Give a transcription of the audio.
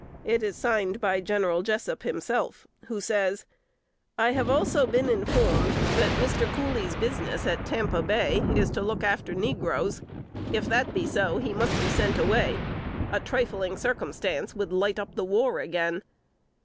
It is signed by General Jessup himself, who says: "I have also been informed that Mr. Cooley's business at Tampa Bay is to look after negroes. If that be so, he must be sent away; a trifling circumstance would _light up the war again.